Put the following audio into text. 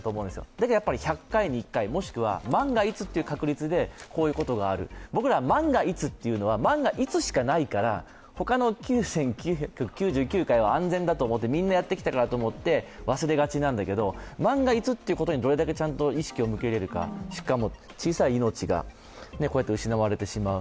だけど１００回に１回、もしくは万が一の機会でこういうことがある、僕らは万が一というのは、万が一しかないから他の９９９９回は安全だと思ってみんなやってきてるなと思って忘れがちなんだけど万が一ということにどれだけ意識を向けられるか、しかも小さい命が、こうやって失われてしまう。